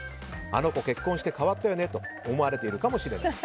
あの子結婚して変わったよねと思われているかもしれない。